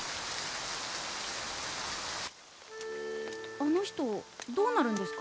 あの人どうなるんですか？